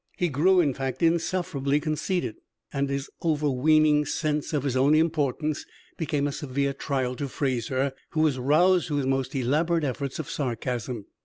He grew, in fact, insufferably conceited, and his overweening sense of his own importance became a severe trial to Fraser, who was roused to his most elaborate efforts of sarcasm.